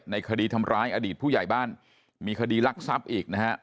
ในคดีทำร้ายอดีตผู้ใหญ่บ้านมีคดีรักทรัพย์อีกนะฮะ